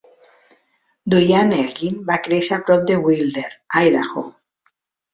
Duane Elgin va créixer a prop de Wilder, Idaho.